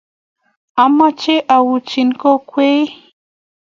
amoche auchi kokwee.